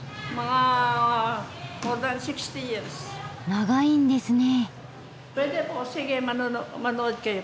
長いんですね。